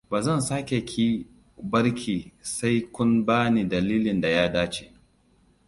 Ba zan sake ki ba har sai kun ba ni dalilin da ya dace.